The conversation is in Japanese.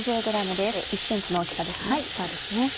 １ｃｍの大きさですね。